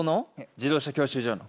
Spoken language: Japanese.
自動車教習所の。